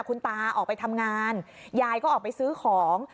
คุณตาออกไปทำงานยายก็ออกไปซื้อของ